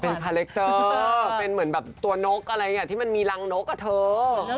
เป็นคาแรคเตอร์เป็นเหมือนแบบตัวนกอะไรอ่ะที่มันมีรังนกอะเธอ